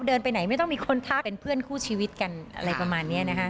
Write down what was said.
เดินไปไหนไม่ต้องมีคนทักเป็นเพื่อนคู่ชีวิตกันอะไรประมาณนี้นะคะ